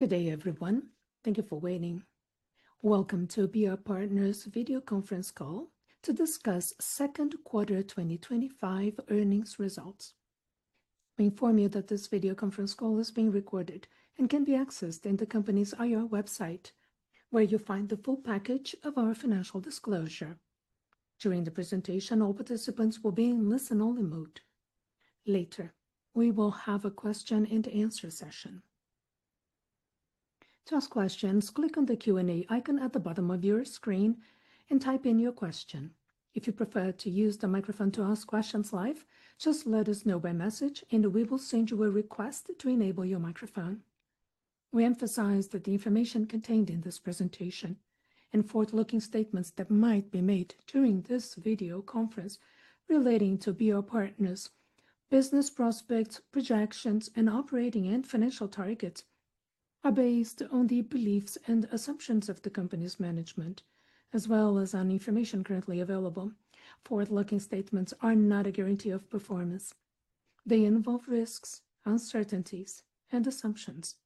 Good day, everyone. Thank you for waiting. Welcome to BR Partners' Video Conference Call to discuss Second Quarter 2025 Earnings Results. We inform you that this video conference call is being recorded and can be accessed in the company's IR website, where you'll find the full package of our financial disclosure. During the presentation, all participants will be in listen-only mode. Later, we will have a question and answer session. To ask questions, click on the Q&A icon at the bottom of your screen and type in your question. If you prefer to use the microphone to ask questions live, just let us know by message, and we will send you a request to enable your microphone. We emphasize that the information contained in this presentation and forward-looking statements that might be made during this video conference relating to BR Partners' business prospects, projections, and operating and financial targets are based on the beliefs and assumptions of the company's management, as well as on information currently available. Forward-looking statements are not a guarantee of performance. They involve risks, uncertainties, and assumptions,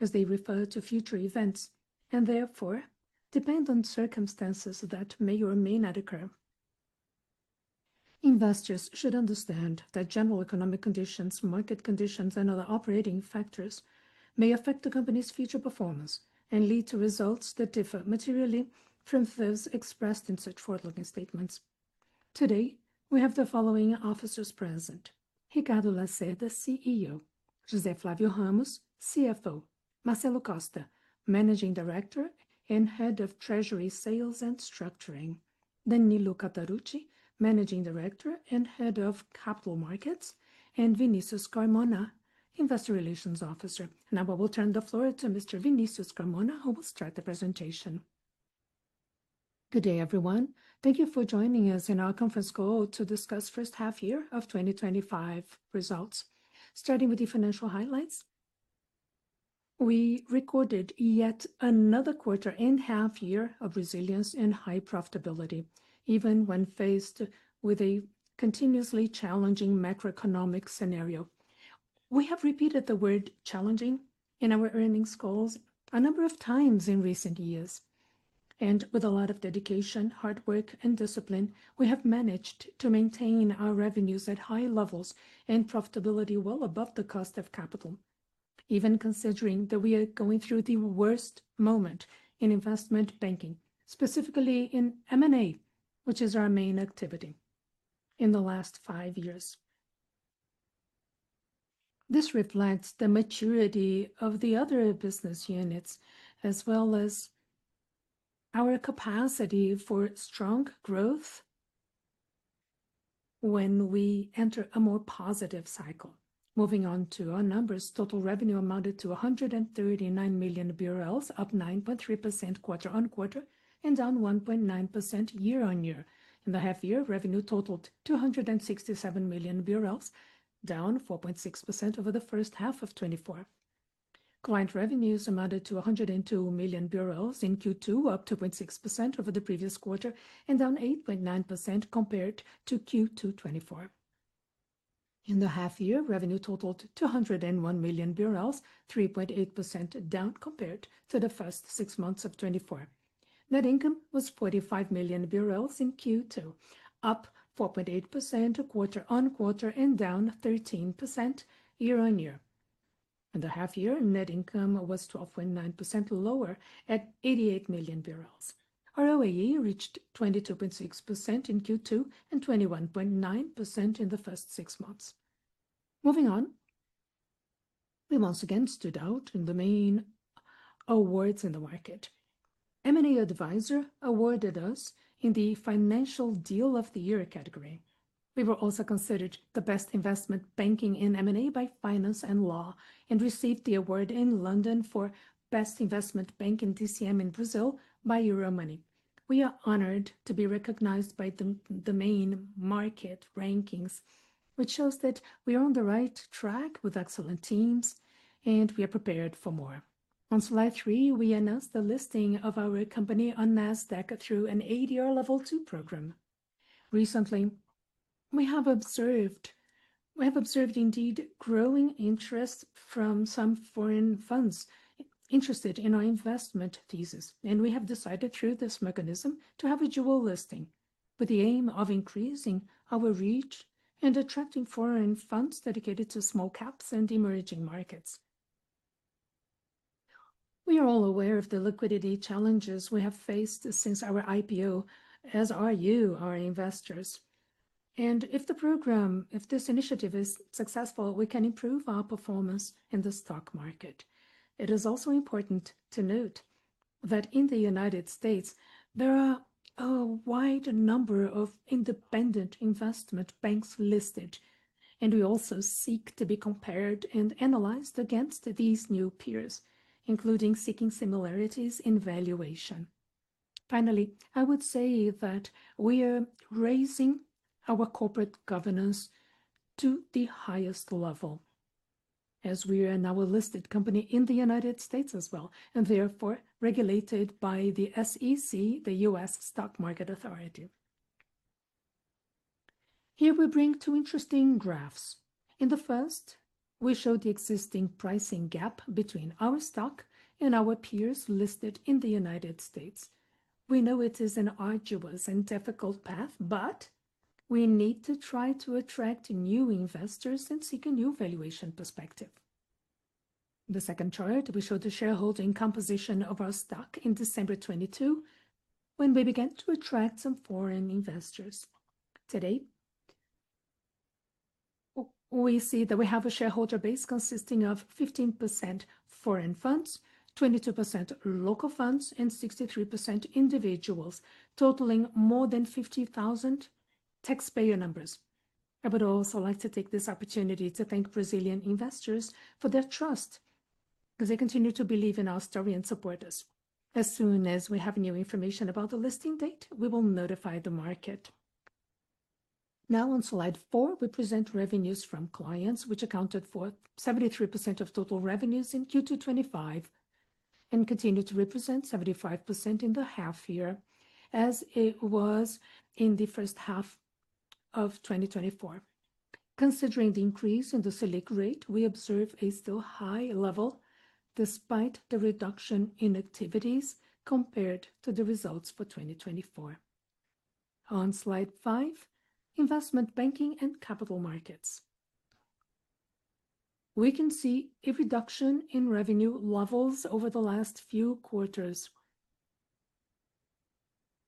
as they refer to future events and therefore depend on circumstances that may or may not occur. Investors should understand that general economic conditions, market conditions, and other operating factors may affect the company's future performance and lead to results that differ materially from those expressed in such forward-looking statements. Today, we have the following officers present: Ricardo Lacerda, CEO; José Flavio Ramos, CFO; Marcelo Costa, Managing Director and Head of Treasury Sales and Structuring; Danilo Catarucci, Managing Director and Head of Capital Markets; and Vinícius Carmona, Investor Relations Officer. Now, I will turn the floor to Mr. Vinícius Carmona, who will start the presentation. Good day, everyone. Thank you for joining us in our Conference Call to discuss the First Half Year of 2025 Results. Starting with the financial highlights, we recorded yet another quarter and a half year of resilience and high profitability, even when faced with a continuously challenging macro-economic scenario. We have repeated the word "challenging" in our earnings calls a number of times in recent years, and with a lot of dedication, hard work, and discipline, we have managed to maintain our revenues at high levels and profitability well above the cost of capital. Even considering that we are going through the worst moment in investment banking, specifically in M&A, which is our main activity in the last five years, this reflects the maturity of the other business units, as well as our capacity for strong growth when we enter a more positive cycle. Moving on to our numbers, total revenue amounted to 139 million BRL, up 9.3% quarter-on-quarter, and down 1.9% year-on-year. In the half year, revenue totaled 267 million BRL, down 4.6% over the first half of 2024. Client revenues amounted to 102 million BRL in Q2, up 2.6% over the previous quarter, and down 8.9% compared to Q2 2024. In the half year, revenue totaled 201 million BRL, 3.8% down compared to the first six months of 2024. Net income was 45 million BRL in Q2, up 4.8% quarter-on-quarter, and down 13% year-on-year. In the half year, net income was 12.9% lower at 88 million. ROAE reached 22.6% in Q2 and 21.9% in the first six months. Moving on, we once again stood out in the main awards in the market. M&A Advisor awarded us in the Financial Deal of the Year category. We were also considered the best investment banking in M&A by Finance and Law and received the award in London for Best Investment Bank in DCM in Brazil by Euromoney. We are honored to be recognized by the main market rankings, which shows that we are on the right track with excellent teams, and we are prepared for more. On July 3, we announced the listing of our company on NASDAQ through an ADR Level 2 program. Recently, we have observed indeed growing interest from some foreign funds interested in our investment thesis, and we have decided through this mechanism to have a dual listing with the aim of increasing our reach and attracting foreign funds dedicated to small caps and emerging markets. We are all aware of the liquidity challenges we have faced since our IPO, as are you, our investors. If the program, if this initiative is successful, we can improve our performance in the stock market. It is also important to note that in the United States, there are a wide number of independent investment banks listed, and we also seek to be compared and analyzed against these new peers, including seeking similarities in valuation. Finally, I would say that we are raising our corporate governance to the highest level, as we are now a listed company in the United States as well, and therefore regulated by the SEC, the U.S. Stock Market Authority. Here, we bring two interesting graphs. In the first, we show the existing pricing gap between our stock and our peers listed in the United States. We know it is an arduous and difficult path, but we need to try to attract new investors and seek a new valuation perspective. In the second chart, we show the shareholding composition of our stock in December 2022, when we began to attract some foreign investors. Today, we see that we have a shareholder base consisting of 15% foreign funds, 22% local funds, and 63% individuals, totaling more than 50,000 taxpayer numbers. I would also like to take this opportunity to thank Brazilian investors for their trust, as they continue to believe in our story and support us. As soon as we have new information about the listing date, we will notify the market. Now, on slide four, we present revenues from clients, which accounted for 73% of total revenues in Q2 2025 and continue to represent 75% in the half year, as it was in the first half of 2024. Considering the increase in the Selic rate, we observe a still high level despite the reduction in activities compared to the results for 2024. On slide five, investment banking and capital markets, we can see a reduction in revenue levels over the last few quarters.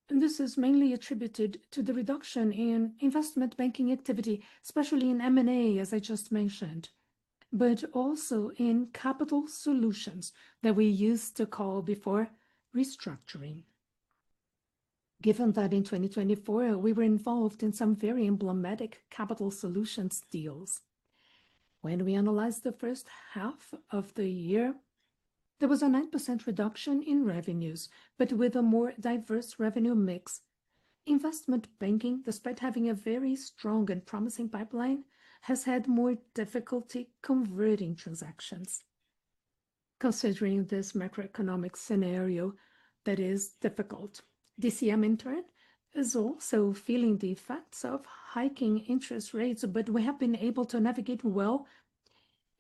This is mainly attributed to the reduction in investment banking activity, especially in M&A, as I just mentioned, but also in capital solutions that we used to call before restructuring. In 2024, we were involved in some very emblematic capital solutions deals. When we analyzed the first half of the year, there was a 9% reduction in revenues, but with a more diverse revenue mix. Investment banking, despite having a very strong and promising pipeline, has had more difficulty converting transactions. Considering this macro-economic scenario that is difficult, DCM interest is also feeling the effects of hiking interest rates, but we have been able to navigate well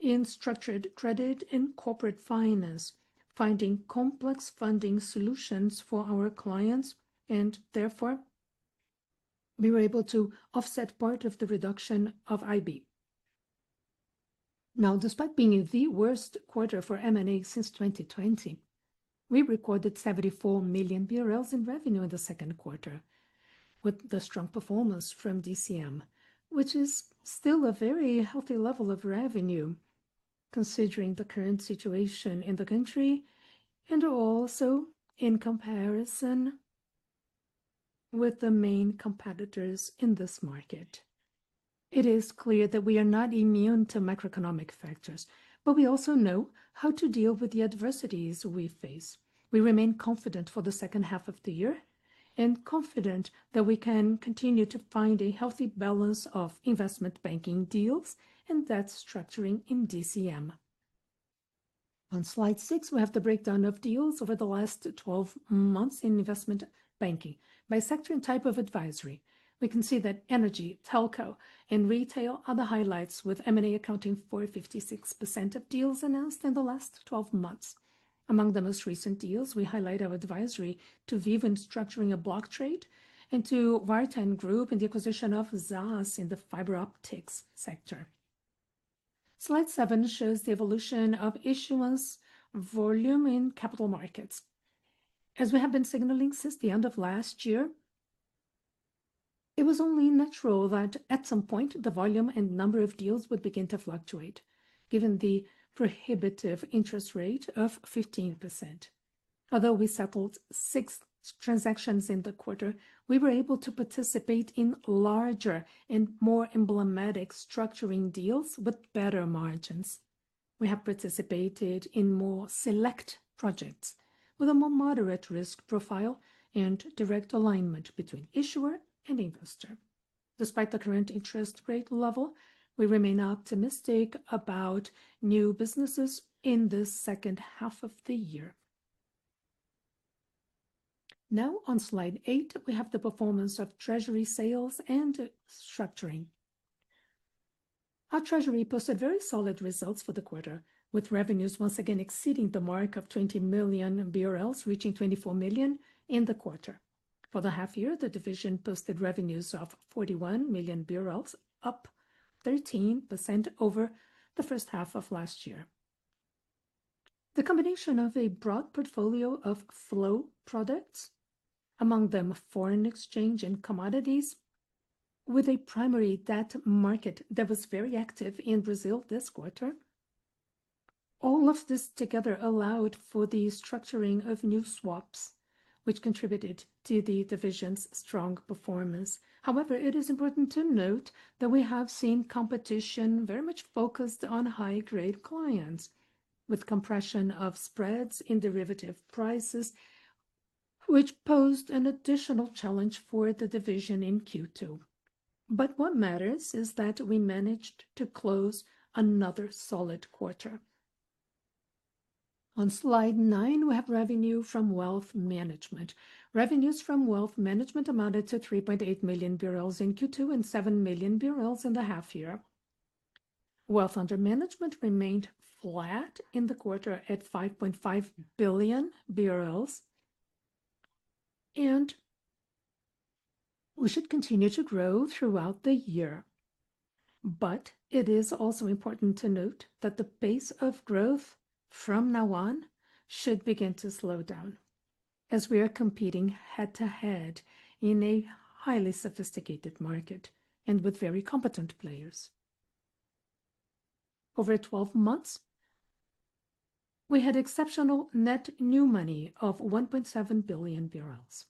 in structured credit and corporate finance, finding complex funding solutions for our clients, and therefore we were able to offset part of the reduction of IB. Now, despite being the worst quarter for M&A since 2020, we recorded 74 million BRL in revenue in the second quarter, with the strong performance from DCM, which is still a very healthy level of revenue considering the current situation in the country and also in comparison with the main competitors in this market. It is clear that we are not immune to macro-economic factors, but we also know how to deal with the adversities we face. We remain confident for the second half of the year and confident that we can continue to find a healthy balance of investment banking deals and debt structuring in DCM. On slide six, we have the breakdown of deals over the last 12 months in investment banking by sector and type of advisory. We can see that energy, telco, and retail are the highlights with M&A accounting for 56% of deals announced in the last 12 months. Among the most recent deals, we highlight our advisory to Vivint structuring a block trade and to Y10 Group in the acquisition of ZAS in the fiber optics sector. Slide seven shows the evolution of issuance volume in capital markets. As we have been signaling since the end of last year, it was only natural that at some point the volume and number of deals would begin to fluctuate, given the prohibitive interest rate of 15%. Although we settled six transactions in the quarter, we were able to participate in larger and more emblematic structuring deals with better margins. We have participated in more select projects with a more moderate risk profile and direct alignment between issuer and investor. Despite the current interest rate level, we remain optimistic about new businesses in this second half of the year. Now, on slide eight, we have the performance of Treasury Sales and Structuring. Our Treasury posted very solid results for the quarter, with revenues once again exceeding the mark of 20 million BRL, reaching 24 million in the quarter. For the half year, the division posted revenues of 41 million BRL, up 13% over the first half of last year. The combination of a broad portfolio of flow products, among them foreign exchange and commodities, with a primary debt market that was very active in Brazil this quarter, all of this together allowed for the structuring of new swaps, which contributed to the division's strong performance. However, it is important to note that we have seen competition very much focused on high-grade clients, with compression of spreads in derivative prices, which posed an additional challenge for the division in Q2. What matters is that we managed to close another solid quarter. On slide nine, we have revenue from wealth management. Revenues from wealth management amounted to 3.8 million BRL in Q2 and 7 million BRL in the half year. Wealth under management remained flat in the quarter at 5.5 billion, and we should continue to grow throughout the year. It is also important to note that the pace of growth from now on should begin to slow down, as we are competing head-to-head in a highly sophisticated market and with very competent players. Over 12 months, we had exceptional net new money of 1.7 billion BRL.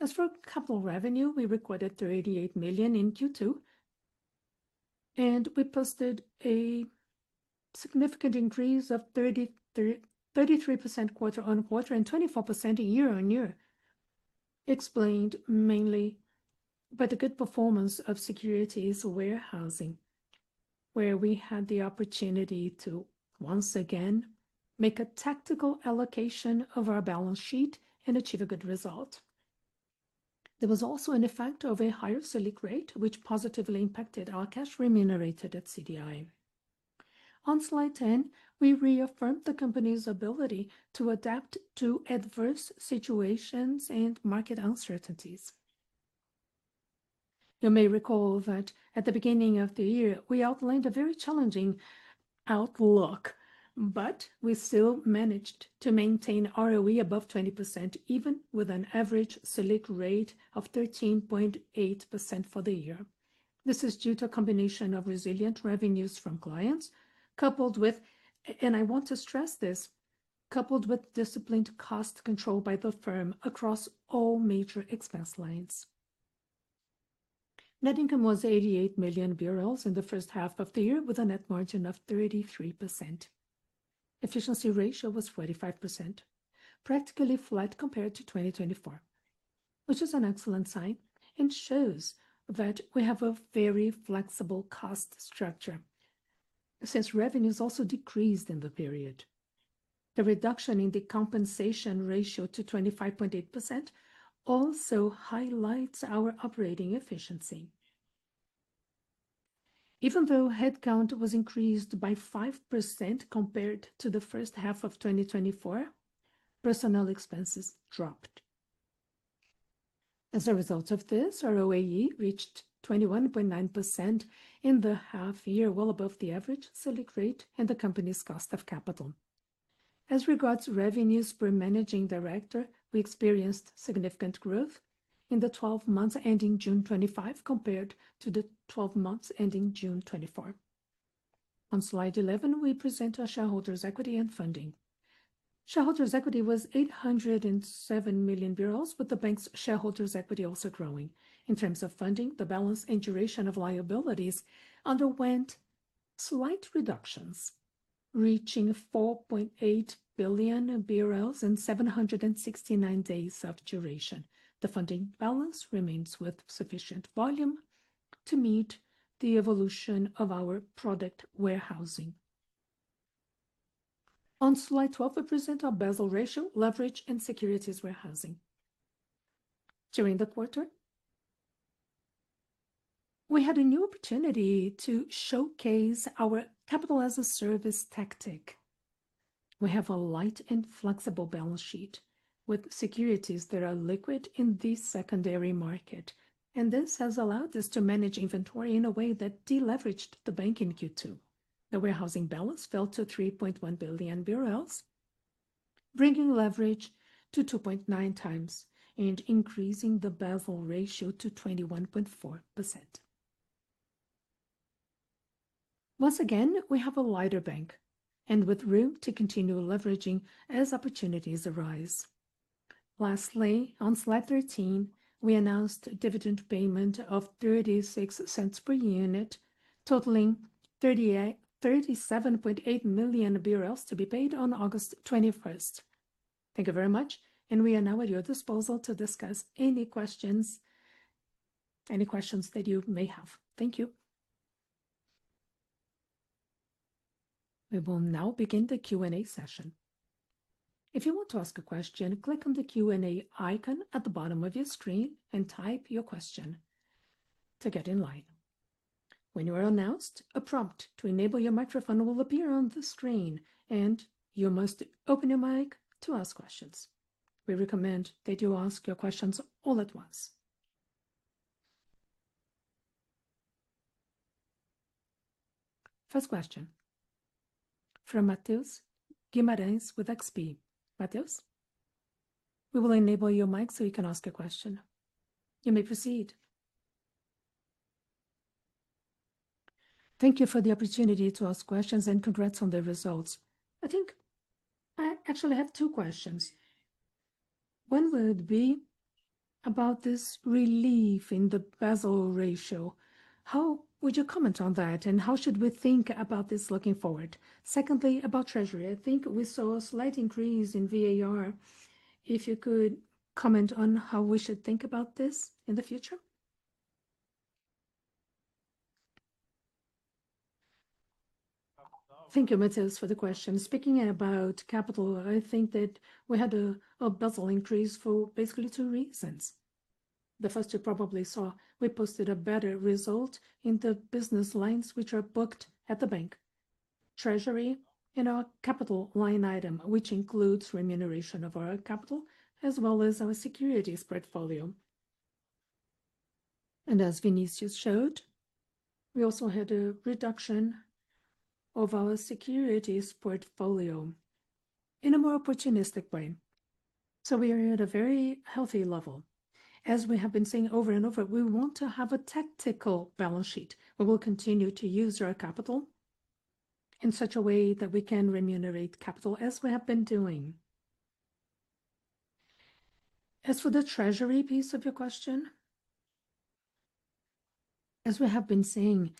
As for capital revenue, we recorded 38 million in Q2, and we posted a significant increase of 33% quarter-on-quarter and 24% year-on-year, explained mainly by the good performance of securities warehousing, where we had the opportunity to once again make a tactical allocation of our balance sheet and achieve a good result. There was also an effect of a higher Selic rate, which positively impacted our cash remunerated at CDI. On slide 10, we reaffirmed the company's ability to adapt to adverse situations and market uncertainties. You may recall that at the beginning of the year, we outlined a very challenging outlook, yet we still managed to maintain ROE above 20%, even with an average Selic rate of 13.8% for the year. This is due to a combination of resilient revenues from clients, coupled with, and I want to stress this, coupled with disciplined cost control by the firm across all major expense lines. Net income was 88 million BRL in the first half of the year, with a net margin of 33%. Efficiency ratio was 45%, practically flat compared to 2023, which is an excellent sign and shows that we have a very flexible cost structure since revenues also decreased in the period. The reduction in the compensation ratio to 25.8% also highlights our operating efficiency. Even though headcount was increased by 5% compared to the first half of 2023, personnel expenses dropped. As a result of this, ROAE reached 21.9% in the half year, well above the average Selic rate and the company's cost of capital. As regards revenues for Managing Director, we experienced significant growth in the 12 months ending June 2023 compared to the 12 months ending June 2022. On slide 11, we present our shareholders' equity and funding. Shareholders' equity was 807 million BRL, with the bank's shareholders' equity also growing. In terms of funding, the balance and duration of liabilities underwent slight reductions, reaching 4.8 billion BRL in 769 days of duration. The funding balance remains with sufficient volume to meet the evolution of our product warehousing. On slide 12, we present our Basel ratio, leverage, and securities warehousing. During the quarter, we had a new opportunity to showcase our capital as a service tactic. We have a light and flexible balance sheet with securities that are liquid in the secondary market, and this has allowed us to manage inventory in a way that deleveraged the bank in Q2. The warehousing balance fell to 3.1 billion BRL, bringing leverage to 2.9x and increasing the Basel ratio to 21.4%. Once again, we have a wider bank and with room to continue leveraging as opportunities arise. Lastly, on slide 13, we announced dividend payment of 0.36/unit, totaling 37.8 million BRL to be paid on August 21. Thank you very much, and we are now at your disposal to discuss any questions, any questions that you may have. Thank you. We will now begin the Q&A session. If you want to ask a question, click on the Q&A icon at the bottom of your screen and type your question to get in line. When you are announced, a prompt to enable your microphone will appear on the screen, and you must open your mic to ask questions. We recommend that you ask your questions all at once. First question from Matheus Guimarães with XP. Matheus, we will enable your mic so you can ask a question. You may proceed. Thank you for the opportunity to ask questions, and congrats on the results. I think I actually have two questions. One would be about this relief in the Basel ratio. How would you comment on that, and how should we think about this looking forward? Secondly, about Treasury, I think we saw a slight increase in VAR. If you could comment on how we should think about this in the future. Thank you, Matheus, for the question. Speaking about capital, I think that we had a Basel increase for basically two reasons. The first you probably saw, we posted a better result in the business lines which are booked at the bank. Treasury in our capital line item, which includes remuneration of our capital, as well as our securities portfolio. And as Vinícius showed, we also had a reduction of our securities portfolio in a more opportunistic way. We are at a very healthy level. As we have been saying over and over, we want to have a tactical balance sheet. We will continue to use our capital in such a way that we can remunerate capital as we have been doing. As for the Treasury piece of your question, as we have been saying,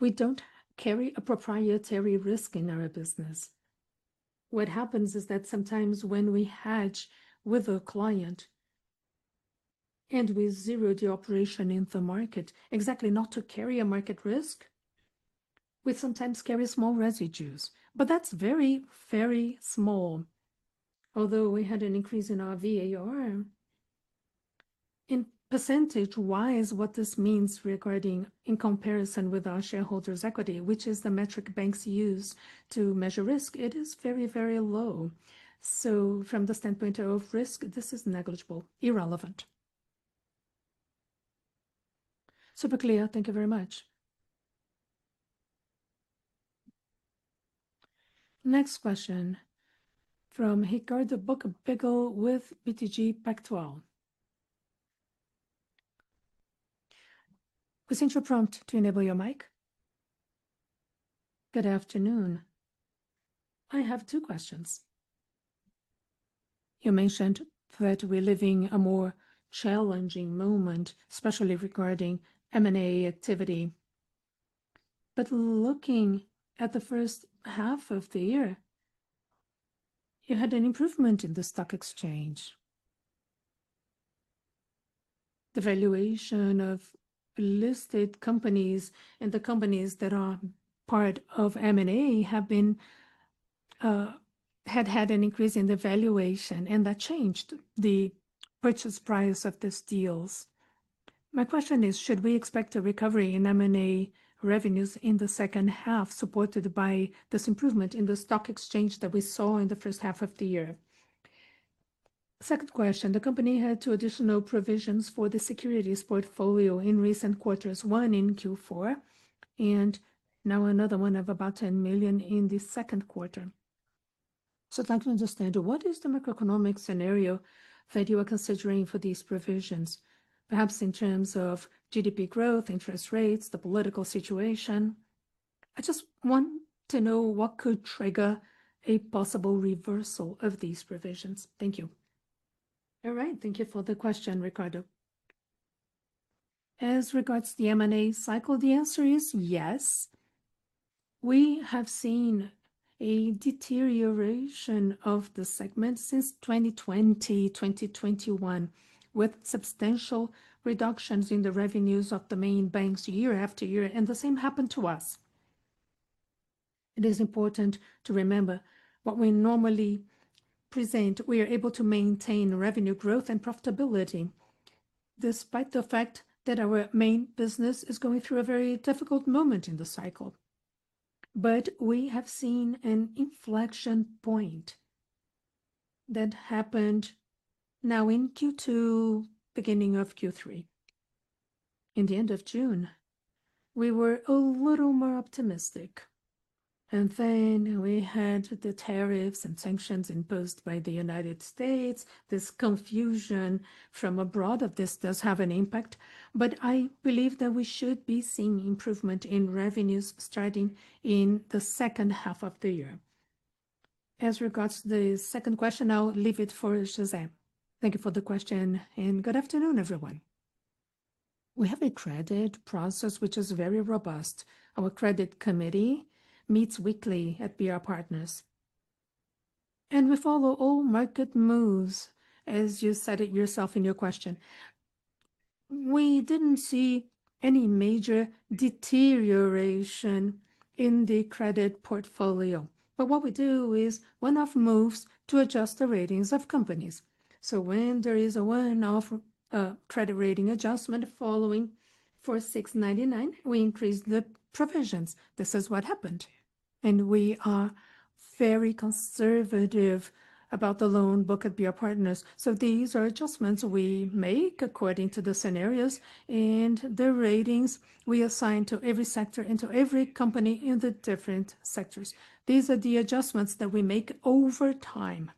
we don't carry a proprietary risk in our business. What happens is that sometimes when we hedge with a client and we zero the operation in the market, exactly not to carry a market risk, we sometimes carry small residues, but that's very, very small. Although we had an increase in our VAR, in percentage-wise, what this means regarding in comparison with our shareholders' equity, which is the metric banks use to measure risk, it is very, very low. From the standpoint of risk, this is negligible, irrelevant. Super clear. Thank you very much. Next question from Ricardo Buchpiguel with BTG Pactual. We sent you a prompt to enable your mic. Good afternoon. I have two questions. You mentioned that we're living a more challenging moment, especially regarding M&A activity. Looking at the first half of the year, you had an improvement in the stock exchange. The valuation of listed companies and the companies that are part of M&A have had an increase in the valuation, and that changed the purchase price of these deals. My question is, should we expect a recovery in M&A revenues in the second half supported by this improvement in the stock exchange that we saw in the first half of the year? Second question, the company had two additional provisions for the securities portfolio in recent quarters, one in Q4 and now another one of about $10 million in the second quarter. I'd like to understand what is the macro-economic scenario that you are considering for these provisions, perhaps in terms of GDP growth, interest rates, the political situation. I just want to know what could trigger a possible reversal of these provisions. Thank you. All right. Thank you for the question, Ricardo. As regards the M&A cycle, the answer is yes. We have seen a deterioration of the segment since 2020, 2021, with substantial reductions in the revenues of the main banks year after year, and the same happened to us. It is important to remember what we normally present. We are able to maintain revenue growth and profitability despite the fact that our main business is going through a very difficult moment in the cycle. We have seen an inflection point that happened now in Q2, beginning of Q3. In the end of June, we were a little more optimistic, and then we had the tariffs and sanctions imposed by the United States. This confusion from abroad does have an impact, but I believe that we should be seeing improvement in revenues starting in the second half of the year. As regards to the second question, I'll leave it for José. Thank you for the question, and good afternoon, everyone. We have a credit process which is very robust. Our credit committee meets weekly at BR Partners, and we follow all market moves, as you cited yourself in your question. We didn't see any major deterioration in the credit portfolio, but what we do is one-off moves to adjust the ratings of companies. When there is a one-off credit rating adjustment following 4699, we increase the provisions. This is what happened. We are very conservative about the loan book at BR Partners. These are adjustments we make according to the scenarios and the ratings we assign to every sector and to every company in the different sectors. These are the adjustments that we make over time.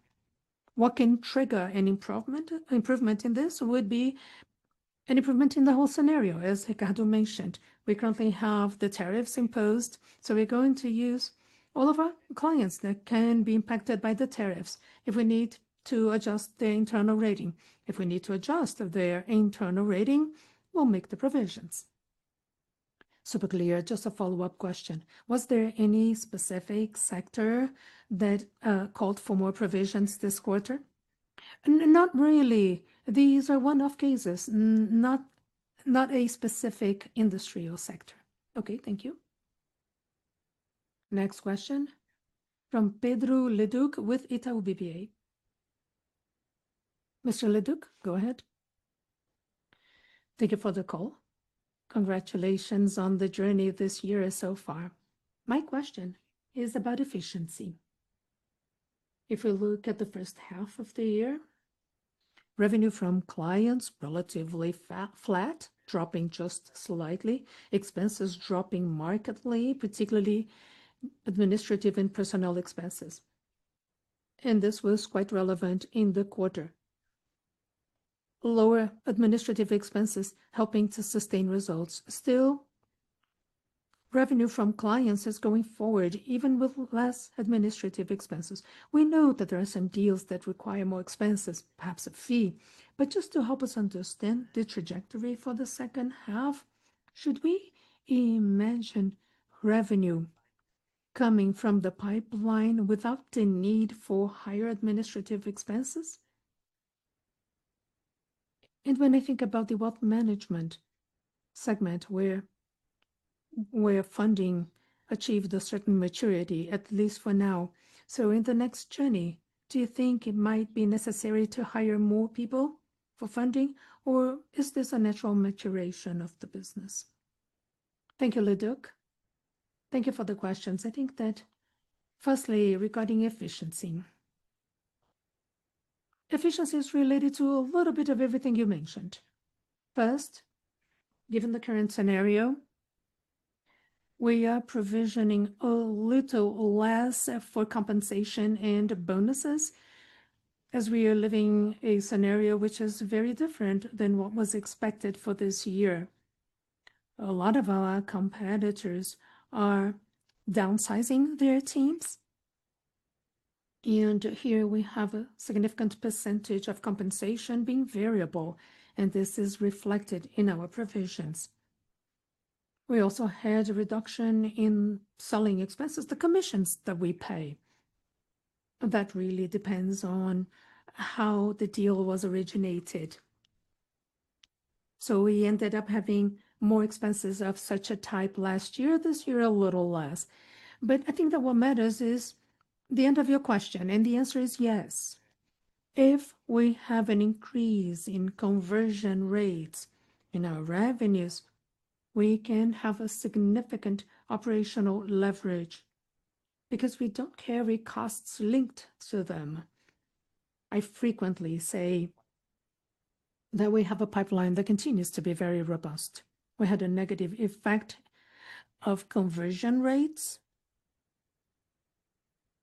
What can trigger an improvement in this would be an improvement in the whole scenario. As Ricardo mentioned, we currently have the tariffs imposed, so we're going to use all of our clients that can be impacted by the tariffs. If we need to adjust their internal rating, we'll make the provisions. Super clear. Just a follow-up question. Was there any specific sector that called for more provisions this quarter? Not really. These are one-off cases, not a specific industry or sector. Okay. Thank you. Next question from Pedro Leduc with Itaú BBA. Mr. Leduc, go ahead. Thank you for the call. Congratulations on the journey this year so far. My question is about efficiency. If we look at the first half of the year, revenue from clients relatively flat, dropping just slightly, expenses dropping markedly, particularly administrative and personnel expenses. This was quite relevant in the quarter. Lower administrative expenses helping to sustain results. Still, revenue from clients is going forward, even with less administrative expenses. We know that there are some deals that require more expenses, perhaps a fee. Just to help us understand the trajectory for the second half, should we imagine revenue coming from the pipeline without the need for higher administrative expenses? When I think about the wealth management segment where funding achieved a certain maturity, at least for now. In the next journey, do you think it might be necessary to hire more people for funding, or is this a natural maturation of the business? Thank you, Leduc. Thank you for the questions. I think that firstly, regarding efficiency, efficiency is related to a little bit of everything you mentioned. First, given the current scenario, we are provisioning a little less for compensation and bonuses as we are living a scenario which is very different than what was expected for this year. A lot of our competitors are downsizing their teams, and here we have a significant percentage of compensation being variable, and this is reflected in our provisions. We also had a reduction in selling expenses, the commissions that we pay. That really depends on how the deal was originated. We ended up having more expenses of such a type last year, this year a little less. I think that what matters is the end of your question, and the answer is yes. If we have an increase in conversion rates in our revenues, we can have significant operational leverage because we don't carry costs linked to them. I frequently say that we have a pipeline that continues to be very robust. We had a negative effect of conversion rates,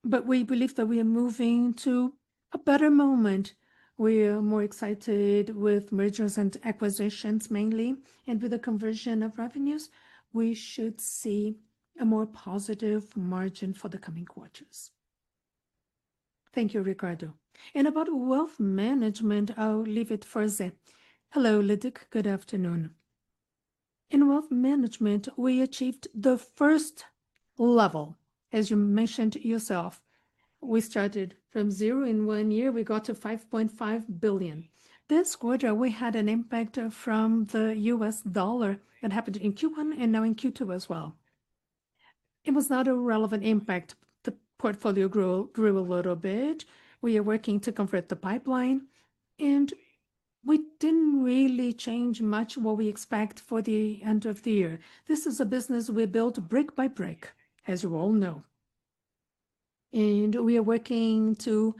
but we believe that we are moving to a better moment. We are more excited with M&A mainly, and with the conversion of revenues, we should see a more positive margin for the coming quarters. Thank you, Ricardo. In about wealth management, I'll leave it for José. Hello, Leduc. Good afternoon. In wealth management, we achieved the first level, as you mentioned yourself. We started from zero in one year. We got to 5.5 billion. This quarter, we had an impact from the U.S. dollar. It happened in Q1 and now in Q2 as well. It was not a relevant impact. The portfolio grew a little bit. We are working to convert the pipeline, and we didn't really change much what we expect for the end of the year. This is a business we build brick by brick, as you all know. We are working to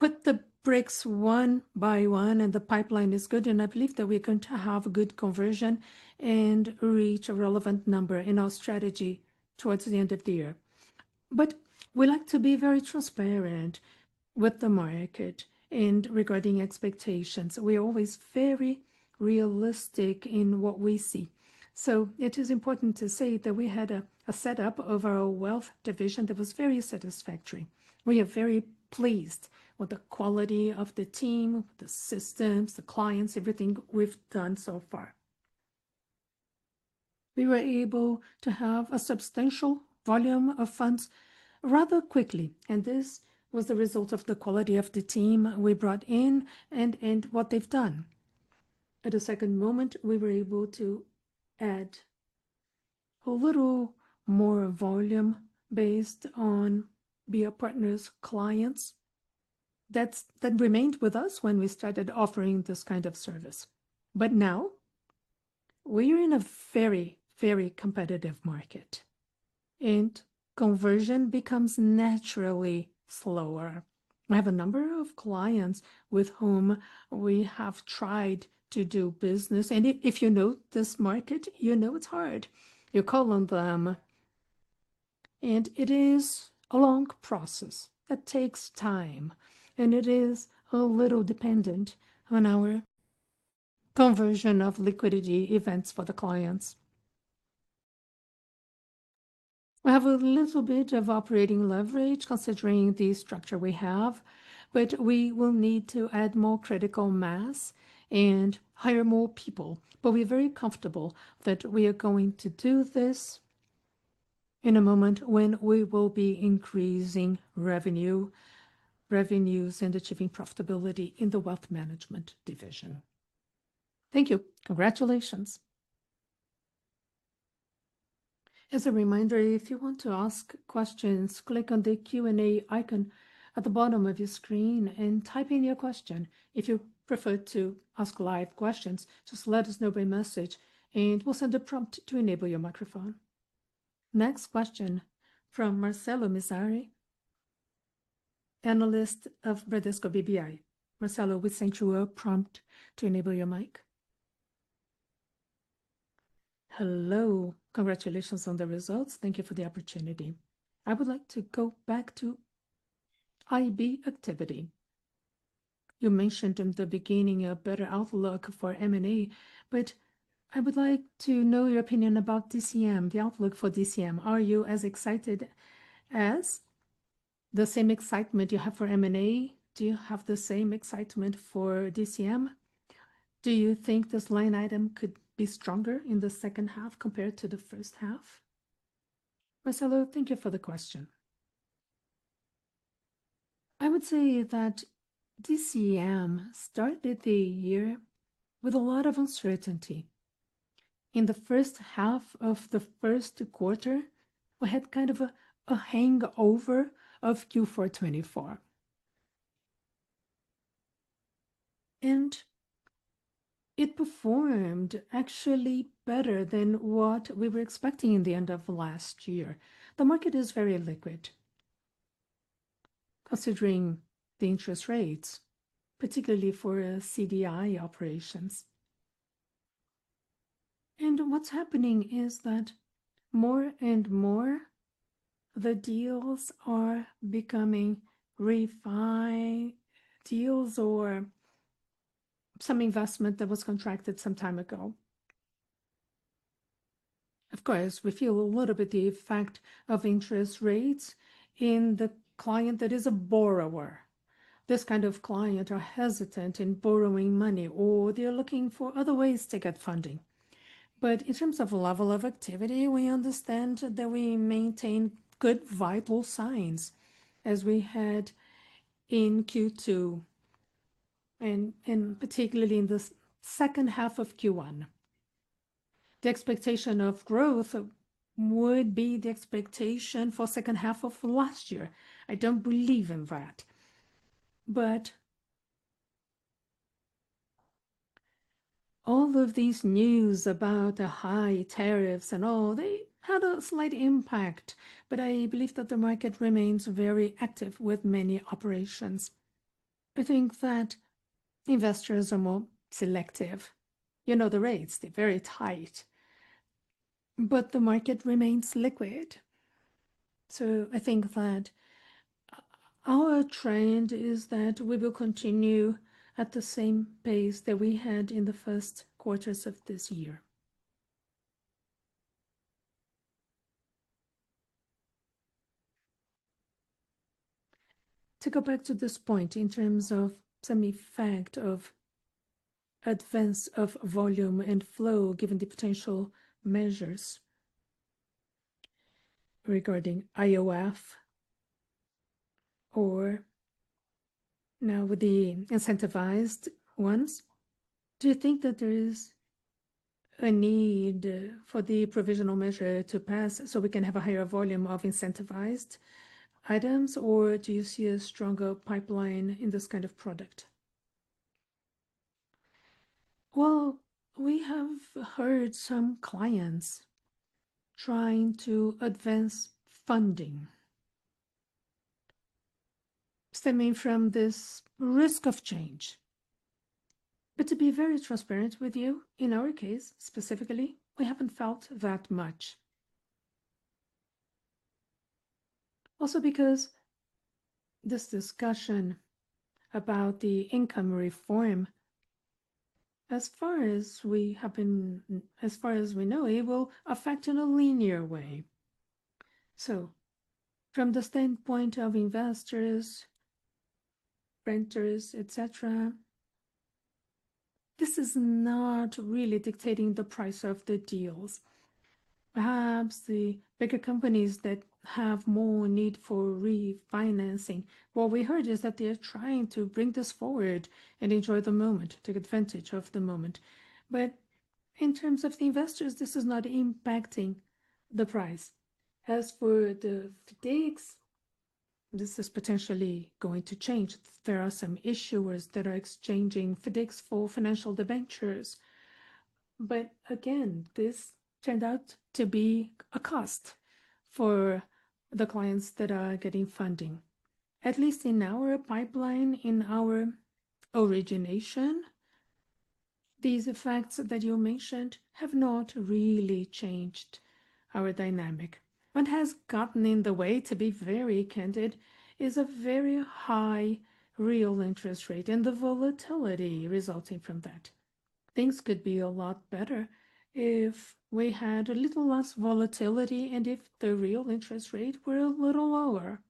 put the bricks one by one, and the pipeline is good, and I believe that we are going to have good conversion and reach a relevant number in our strategy towards the end of the year. We like to be very transparent with the market and regarding expectations. We are always very realistic in what we see. It is important to say that we had a setup of our wealth division that was very satisfactory. We are very pleased with the quality of the team, the assistants, the clients, everything we've done so far. We were able to have a substantial volume of funds rather quickly, and this was the result of the quality of the team we brought in and what they've done. At a second moment, we were able to add a little more volume based on BR Partners' clients that remained with us when we started offering this kind of service. Now we are in a very, very competitive market, and conversion becomes naturally slower. I have a number of clients with whom we have tried to do business, and if you know this market, you know it's hard. You call on them, and it is a long process that takes time, and it is a little dependent on our conversion of liquidity events for the clients. We have a little bit of operating leverage considering the structure we have, but we will need to add more critical mass and hire more people. We're very comfortable that we are going to do this in a moment when we will be increasing revenues and achieving profitability in the wealth management division. Thank you. Congratulations. As a reminder, if you want to ask questions, click on the Q&A icon at the bottom of your screen and type in your question. If you prefer to ask live questions, just let us know by message, and we'll send a prompt to enable your microphone. Next question from Marcelo Mizrahi, analyst of Bradesco BBI. Marcelo, we sent you a prompt to enable your mic. Hello. Congratulations on the results. Thank you for the opportunity. I would like to go back to IB activity. You mentioned in the beginning a better outlook for M&A, but I would like to know your opinion about DCM, the outlook for DCM. Are you as excited as the same excitement you have for M&A? Do you have the same excitement for DCM? Do you think this line item could be stronger in the second half compared to the first half? Marcelo, thank you for the question. I would say that DCM started the year with a lot of uncertainty. In the first half of the first quarter, we had kind of a hangover of Q4 2024, and it performed actually better than what we were expecting in the end of last year. The market is very liquid, considering the interest rates, particularly for CDI operations. What's happening is that more and more of the deals are becoming refined deals or some investment that was contracted some time ago. Of course, we feel a little bit of the effect of interest rates in the client that is a borrower. This kind of client is hesitant in borrowing money, or they're looking for other ways to get funding. In terms of level of activity, we understand that we maintain good vital signs, as we had in Q2 and particularly in the second half of Q1. The expectation of growth would be the expectation for the second half of last year. I don't believe in that. All of these news about high tariffs and all, they had a slight impact, but I believe that the market remains very active with many operations. I think that investors are more selective. You know the rates, they're very tight, but the market remains liquid. I think that our trend is that we will continue at the same pace that we had in the first quarters of this year. To go back to this point in terms of some effect of advance of volume and flow, given the potential measures regarding IOF or now with the incentivized ones, do you think that there is a need for the provisional measure to pass so we can have a higher volume of incentivized items, or do you see a stronger pipeline in this kind of product? We have heard some clients trying to advance funding stemming from this risk of change. To be very transparent with you, in our case specifically, we haven't felt that much. Also, because this discussion about the income reform, as far as we have been, as far as we know, it will affect in a linear way. From the standpoint of investors, renters, etc., this is not really dictating the price of the deals. Perhaps the bigger companies that have more need for refinancing, what we heard is that they are trying to bring this forward and enjoy the moment, take advantage of the moment. In terms of the investors, this is not impacting the price. As for the FDICs, this is potentially going to change. There are some issuers that are exchanging FDICs for financial debentures. Again, this turned out to be a cost for the clients that are getting funding. At least in our pipeline, in our origination, these effects that you mentioned have not really changed our dynamic. What has gotten in the way, to be very candid, is a very high real interest rate and the volatility resulting from that. Things could be a lot better if we had a little less volatility and if the real interest rate were a little lower.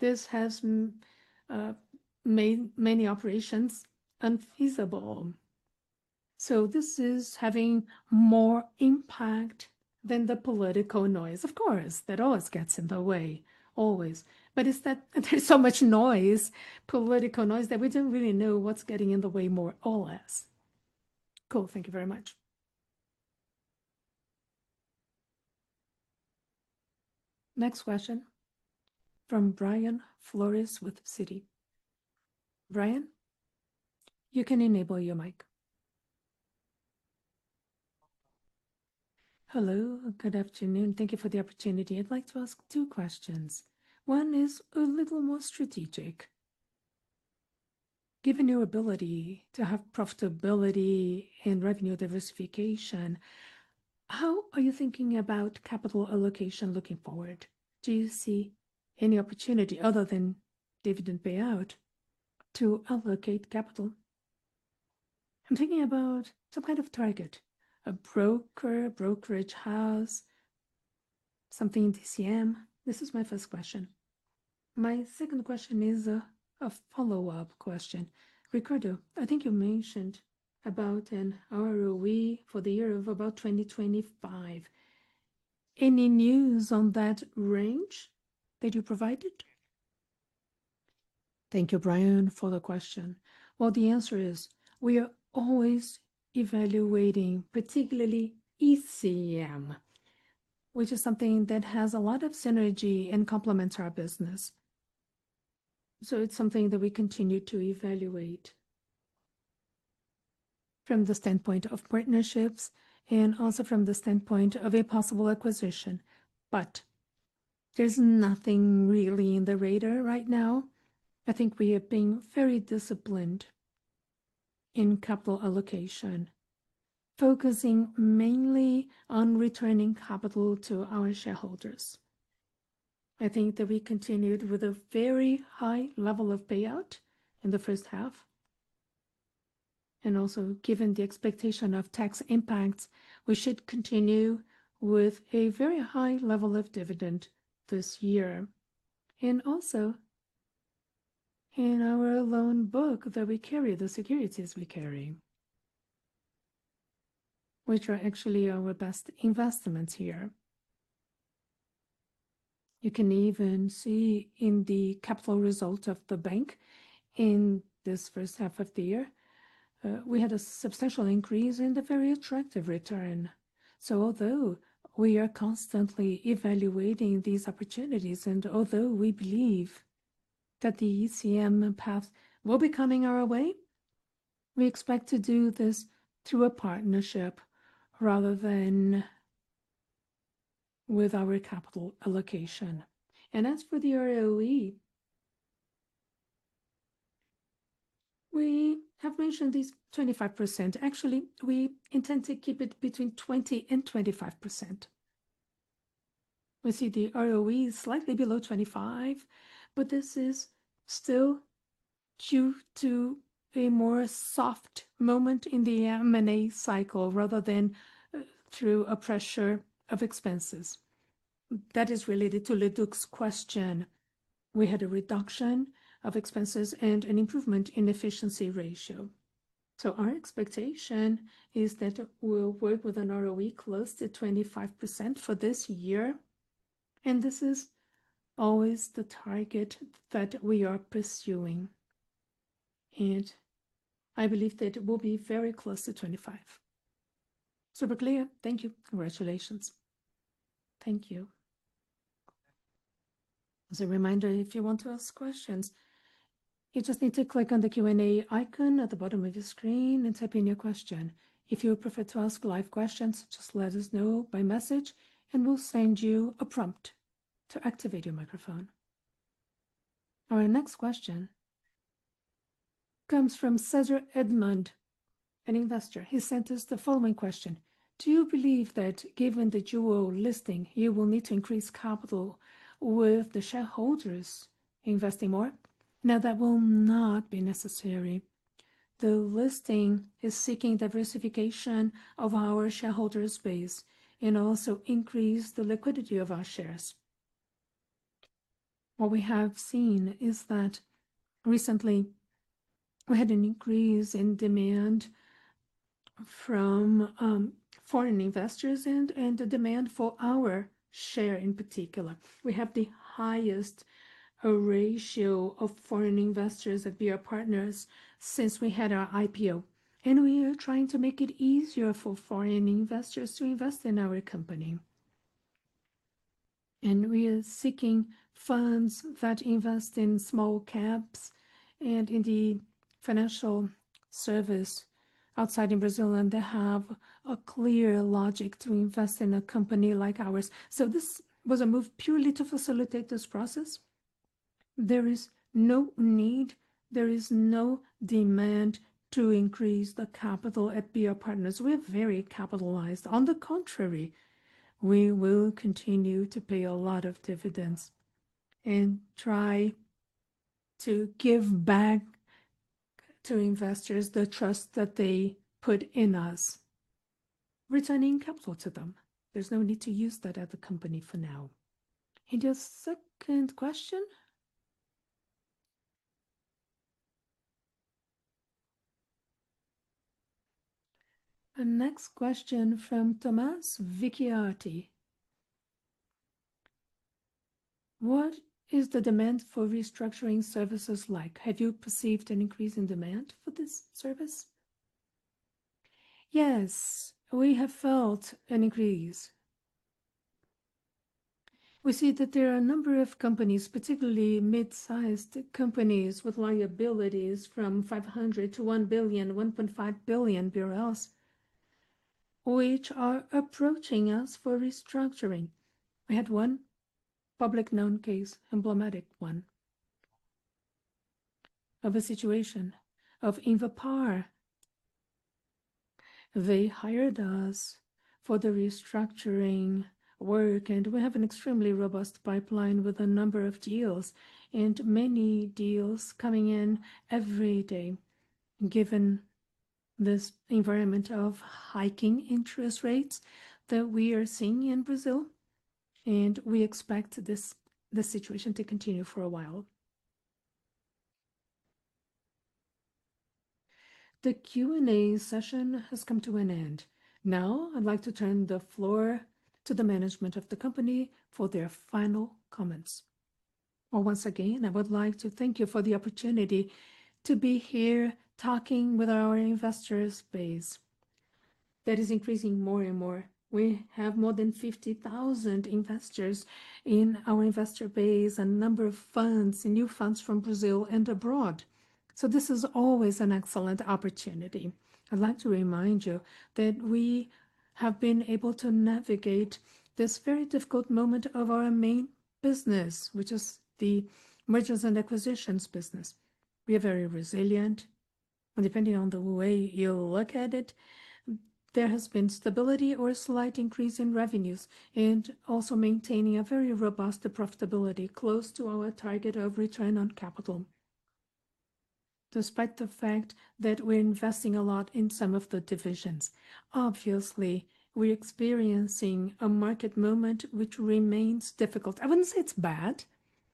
This has made many operations unfeasible. This is having more impact than the political noise, of course, that always gets in the way, always. There is so much noise, political noise, that we don't really know what's getting in the way more or less. Cool. Thank you very much. Next question from Brian Flores with Citi. Brian, you can enable your mic. Hello. Good afternoon. Thank you for the opportunity. I'd like to ask two questions. One is a little more strategic. Given your ability to have profitability and revenue diversification, how are you thinking about capital allocation looking forward? Do you see any opportunity other than dividend payout to allocate capital? I'm thinking about some kind of target, a broker, brokerage house, something in DCM. This is my first question. My second question is a follow-up question. Ricardo, I think you mentioned about an ROE for the year of about 2025. Any news on that range that you provided? Thank you, Brian, for the question. The answer is we are always evaluating, particularly ECM, which is something that has a lot of synergy and complements our business. It is something that we continue to evaluate from the standpoint of partnerships and also from the standpoint of a possible acquisition. There is nothing really in the radar right now. I think we have been very disciplined in capital allocation, focusing mainly on returning capital to our shareholders. I think that we continued with a very high level of payout in the first half. Also, given the expectation of tax impacts, we should continue with a very high level of dividend this year. In our loan book that we carry, the securities we carry, which are actually our best investments here, you can even see in the capital results of the bank in this first half of the year, we had a substantial increase in the very attractive return. Although we are constantly evaluating these opportunities, and although we believe that the ECM path will be coming our way, we expect to do this through a partnership rather than with our capital allocation. As for the ROE, we have mentioned these 25%. Actually, we intend to keep it between 20% and 25%. We see the ROE is slightly below 25%, but this is still due to a more soft moment in the M&A cycle rather than through a pressure of expenses. That is related to Leduc's question. We had a reduction of expenses and an improvement in efficiency ratio. Our expectation is that we'll work with an ROE close to 25% for this year. This is always the target that we are pursuing. I believe that it will be very close to 25%. Super clear. Thank you. Congratulations. Thank you. As a reminder, if you want to ask questions, you just need to click on the Q&A icon at the bottom of your screen and type in your question. If you prefer to ask live questions, just let us know by message, and we'll send you a prompt to activate your microphone. Our next question comes from Cedric Edmond, an investor. He sent us the following question. Do you believe that given the dual listing, you will need to increase capital with the shareholders investing more? No, that will not be necessary. The listing is seeking diversification of our shareholders' base and also increase the liquidity of our shares. What we have seen is that recently we had an increase in demand from foreign investors and the demand for our share in particular. We have the highest ratio of foreign investors at BR Partners since we had our IPO. We are trying to make it easier for foreign investors to invest in our company. We are seeking funds that invest in small caps and in the financial service outside in Brazil that have a clear logic to invest in a company like ours. This was a move purely to facilitate this process. There is no need, there is no demand to increase the capital at BR Partners. We are very capitalized. On the contrary, we will continue to pay a lot of dividends and try to give back to investors the trust that they put in us, returning capital to them. There's no need to use that as a company for now. Your second question? Our next question from Thomas Vecchiarti. What is the demand for restructuring services like? Have you perceived an increase in demand for this service? Yes, we have felt an increase. We see that there are a number of companies, particularly mid-sized companies with liabilities from 500 million-1 billion, 1.5 billion BRL, which are approaching us for restructuring. We had one public known case, emblematic one, of a situation of Invepar. They hired us for the restructuring work, and we have an extremely robust pipeline with a number of deals and many deals coming in every day given this environment of hiking interest rates that we are seeing in Brazil. We expect this situation to continue for a while. The Q&A session has come to an end. Now, I'd like to turn the floor to the management of the company for their final comments. Once again, I would like to thank you for the opportunity to be here talking with our investors' base that is increasing more and more. We have more than 50,000 investors in our investor base, a number of funds, new funds from Brazil and abroad. This is always an excellent opportunity. I'd like to remind you that we have been able to navigate this very difficult moment of our main business, which is the mergers and acquisitions business. We are very resilient. Depending on the way you look at it, there has been stability or a slight increase in revenues and also maintaining a very robust profitability close to our target of return on capital. Despite the fact that we're investing a lot in some of the divisions, obviously, we're experiencing a market moment which remains difficult. I wouldn't say it's bad.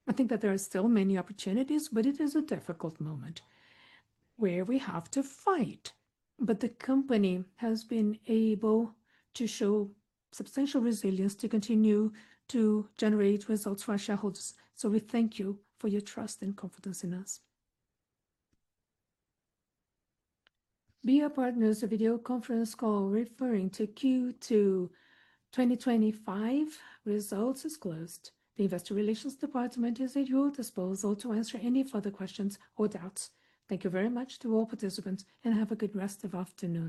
I think that there are still many opportunities, but it is a difficult moment where we have to fight. The company has been able to show substantial resilience to continue to generate results for our shareholders. We thank you for your trust and confidence in us. BR Partners' Video Conference Call referring to Q2 2025 Results is closed. The Investor Relations department is at your disposal to answer any further questions or doubts. Thank you very much to all participants and have a good rest of afternoon.